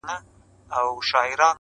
نه په خوله فریاد له سرولمبو لري-